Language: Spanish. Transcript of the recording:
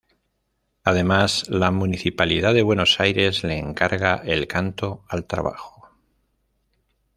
Además, la Municipalidad de Buenos Aires le encarga el Canto al Trabajo.